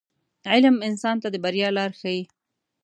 • علم انسان ته د بریا لار ښیي.